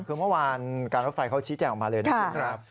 คือเมื่อวานการรถไฟเขาชี้แจงออกมาเลยนะครับ